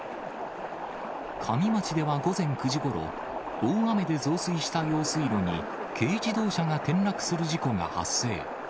加美町では午前９時ごろ、大雨で増水した用水路に、軽自動車が転落する事故が発生。